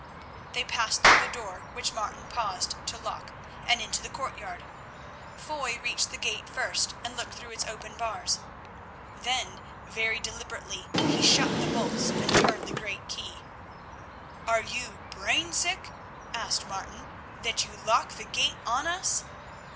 They passed through the door, which Martin paused to lock, and into the courtyard. Foy reached the gate first, and looked through its open bars. Then very deliberately he shot the bolts and turned the great key. "Are you brain sick," asked Martin, "that you lock the gate on us?"